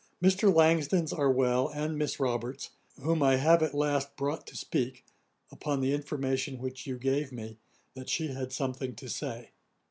Mr. Langtons are well; and Miss Roberts, whom I have at last brought to speak, upon the information which you gave me, that she had something to say.